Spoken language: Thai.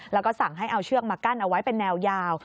แล้วก็สั่งให้เอาเชือกมากั้นเอาไว้เป็นแนวยาว